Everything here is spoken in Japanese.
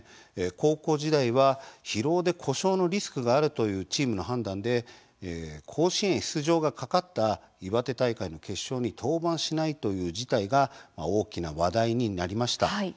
高校時代は疲労で故障のリスクがあるというチームの判断で甲子園出場がかかった岩手大会の決勝に登板しないという事態が大きな話題になりました。